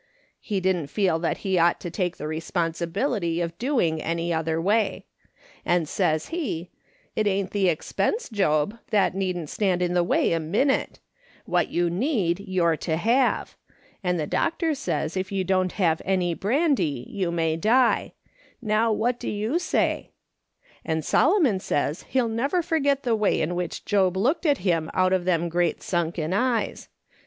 He didn't feel that he ought to take the re sponsibility of doing any other way : and says he, 'It ain't the expense, Job, that needn't stand in the way a minute; what you need you're to have ; and the doctor says if you don't have brandy you may die ; now what do you say X And Solomon says he'll never forget the way in which Job looked at him out of them great sunken eyes.